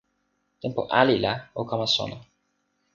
tenpo ali la o kama sona!